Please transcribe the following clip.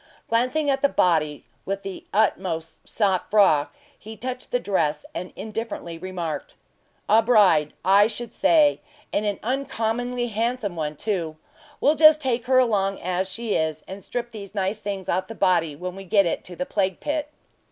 Glancing at the body with the utmost sang froid, he touched the dress, and indifferently remarked: "A bride, I should say; and an uncommonly handsome one too. We'll just take her along as she is, and strip these nice things off the body when we get it to the plague pit."